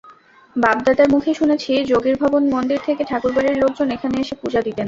বাপ-দাদার মুখে শুনেছি, যোগীরভবন মন্দির থেকে ঠাকুরবাড়ির লোকজন এখানে এসে পূজা দিতেন।